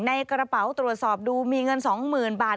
ในกระเป๋าตรวจสอบดูมีเงิน๒๐๐๐บาท